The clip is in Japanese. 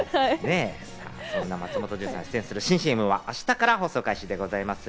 そんな松本潤さんが出演する新ＣＭは明日から放送開始でございます。